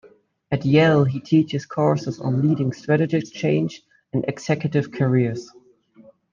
At Yale he teaches courses on leading strategic change and executive careers.